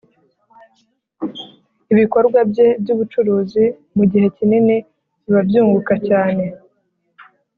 ibikorwa bye by ubucuruzi mu gihe kinini biba byunguka cyane